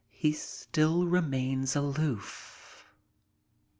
He still remains aloof.